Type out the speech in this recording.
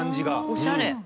おしゃれ。